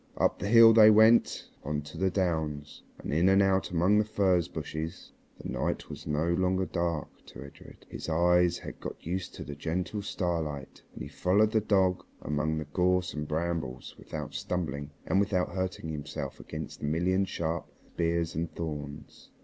Up the hill they went on to the downs, and in and out among the furze bushes. The night was no longer dark to Edred. His eyes had got used to the gentle starlight, and he followed the dog among the gorse and brambles without stumbling and without hurting himself against the million sharp spears and thorns.